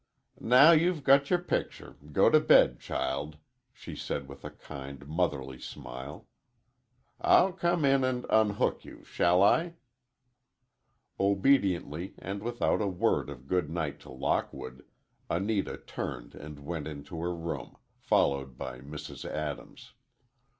"Now you've got your picture, go to bed, child," she said with a kind, motherly smile. "I'll come in and unhook you, shall I?" Obediently, and without a word of good night to Lockwood, Anita turned and went into her room, followed by Mrs. Adams.